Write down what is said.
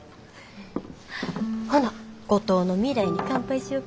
ほな五島の未来に乾杯しよか。